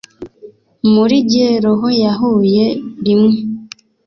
muri njye roho yahuye rimwe